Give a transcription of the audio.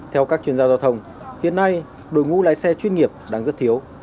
theo các chuyên gia giao thông hiện nay đội ngũ lái xe chuyên nghiệp đang rất thiếu